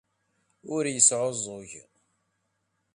Ur yesɛuẓẓug.